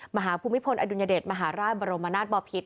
ภูมิพลอดุลยเดชมหาราชบรมนาศบอพิษ